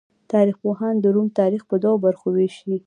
تاریخ پوهان د روم تاریخ په دوو برخو ویشي.